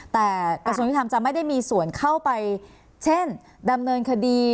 แต่กระทรวงยุทธรรมจะไม่ได้มีส่วนเข้าไปเช่นดำเนินคดี